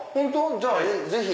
じゃあぜひ！